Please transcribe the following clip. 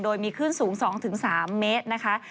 โดยมีคลื่นสูง๒๓เมตรนะคะ